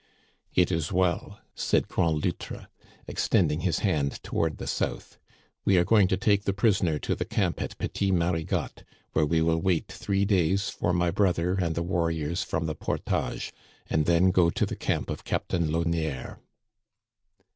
" It is well," said Grand Loutre, extending his hand toward the south " We are going to take the prisoner to the camp at Petit Marigotte, where we will wait three days for my brother and the warriors from the Portage, and then go to the camp of Captain Launière."